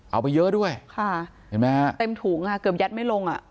เอาไปเยอะด้วยค่ะเห็นไหมฮะเต็มถุงอ่ะเกือบยัดไม่ลงอ่ะ